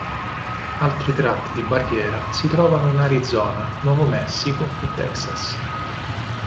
Altri tratti di barriera si trovano in Arizona, Nuovo Messico e Texas.